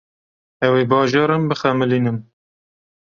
Ew ê bajaran bixemilînin.